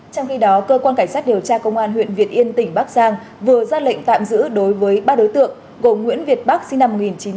trong khi đó cơ quan cảnh sát điều tra công an huyện việt yên tỉnh bắc giang vừa ra lệnh tạm giữ đối với ba đối tượng gồm nguyễn việt bắc sinh năm một nghìn chín trăm tám mươi